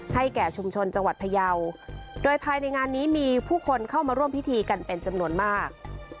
แก่ชุมชนจังหวัดพยาวโดยภายในงานนี้มีผู้คนเข้ามาร่วมพิธีกันเป็นจำนวนมาก